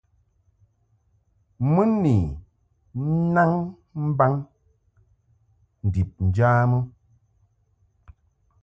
Mɨ ni nnaŋ mbaŋ ndib njamɨ.